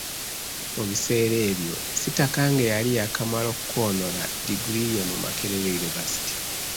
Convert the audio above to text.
Mu biseera ebyo Sitakange yali yakamala okukoonola ddiguli ye mu Makerere University.